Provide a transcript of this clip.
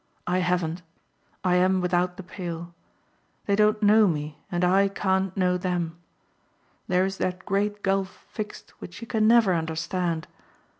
I haven't. I am without the pale. They don't know me and I can't know them. There is that great gulf fixed which you can never understand.